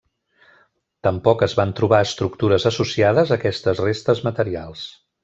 Tampoc es van trobar estructures associades a aquestes restes materials.